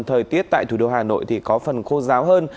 thời tiết tại thủ đô hà nội thì có phần khô ráo hơn